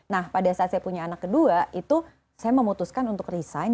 nah pada saat saya punya anak kedua itu saya memutuskan untuk resign